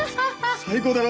最高だろ！？